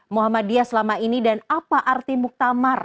muhammadiyah selama ini dan apa arti muktamar